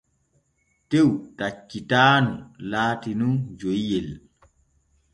Tew taccitaanu laati nun joyiyel.